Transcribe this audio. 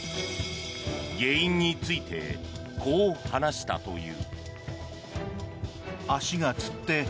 原因についてこう話したという。